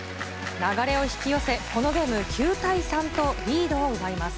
流れを引き寄せ、このゲーム９対３とリードを奪います。